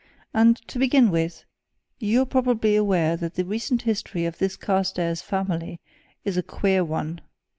And to begin with, you are probably aware that the recent history of this Carstairs family is a queer one.